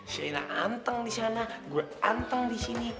shaina anteng di sana gua anteng di sini